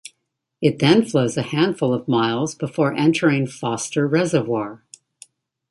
It then flows a handful of miles before entering Foster Reservoir.